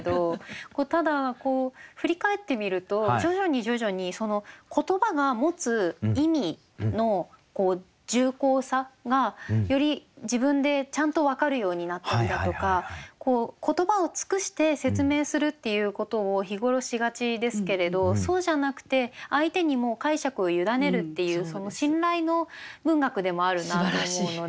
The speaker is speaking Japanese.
ただ振り返ってみると徐々に徐々にその言葉が持つ意味の重厚さがより自分でちゃんと分かるようになったりだとか言葉を尽くして説明するっていうことを日頃しがちですけれどそうじゃなくて相手にもう解釈を委ねるっていう信頼の文学でもあるなと思うので。